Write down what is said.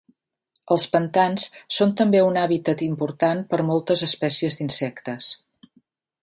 Els pantans són també un hàbitat important per a moltes espècies d'insectes.